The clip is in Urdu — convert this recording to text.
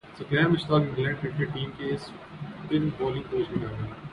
ثقلین مشتاق انگلینڈ کرکٹ ٹیم کے اسپن بالنگ کوچ مقرر